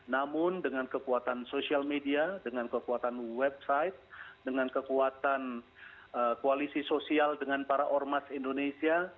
namun dengan kekuatan sosial media dengan kekuatan website dengan kekuatan koalisi sosial dengan para ormas indonesia